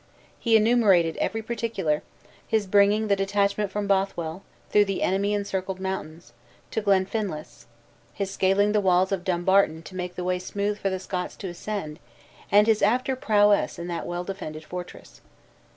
He enumerated every particular; his bringing the detachment from Bothwell, through the enemy encircled mountains, to Glenfinlass; his scaling the walls of Dumbarton to make the way smooth for the Scots to ascend; and his after prowess in that well defended fortress.